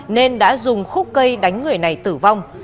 nên đã dùng khúc cây đánh người này tử vong